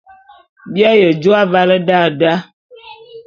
Bi aye jô avale da da.